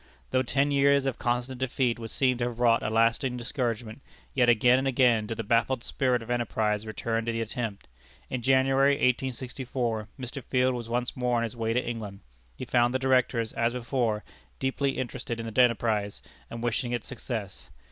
Though ten years of constant defeat would seem to have wrought a lasting discouragement, yet again and again did the baffled spirit of enterprise return to the attempt. In January, 1864, Mr. Field was once more on his way to England. He found the Directors, as before, deeply interested in the enterprise, and wishing it success.